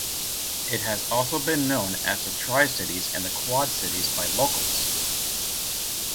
It has also been known as the Tri-Cities and the Quad-Cities by locals.